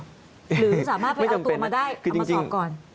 หรือสามารถไปเอาตัวมาสอบก่อน